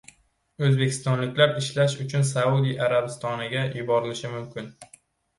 O‘zbekistonliklar ishlash uchun Saudiya Arabistoniga yuborilishi mumkin